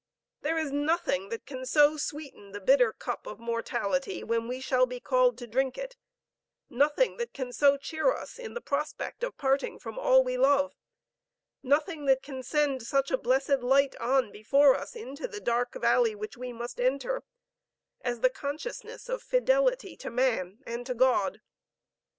There is nothing that can so sweeten the bitter cup of mortality when we shall be called to drink it, nothing that can so cheer us in the prospect of parting from all we love, nothing that can send such a blessed light on before us into the dark valley which we must enter, as the consciousness of fidelity to man and to God.